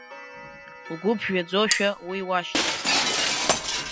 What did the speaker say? Лгәы ԥжәаӡошәа уи уашьҭак…